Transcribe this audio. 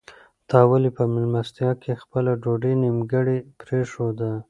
تا ولې په مېلمستیا کې خپله ډوډۍ نیمګړې پرېښوده؟